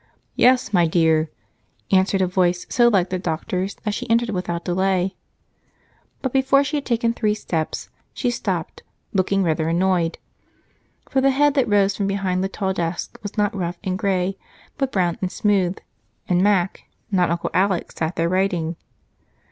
"Yes, my dear," answered a voice so like the doctor's that she entered without delay. But before she had taken three steps she stopped, looking rather annoyed, for the head that rose from behind the tall desk was not rough and gray, but brown and smooth, and Mac, not Uncle Alec, sat there writing.